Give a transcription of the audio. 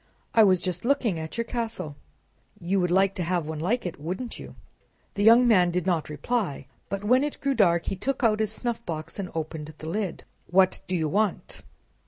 "I was just looking at your castle." "You would like to have one like it, wouldn't you?" The young man did not reply, but when it grew dark he took out his snuffbox and opened the lid." What do you want?"